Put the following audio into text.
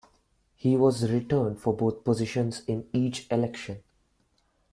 He was returned for both positions in each election.